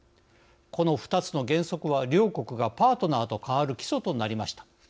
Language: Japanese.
この２つの原則は両国がパートナーと変わる基礎となりました。